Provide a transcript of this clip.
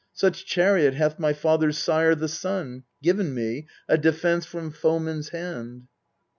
Such chariot hath my father's sire, the Sun, Given me, a defence from foeman's hand.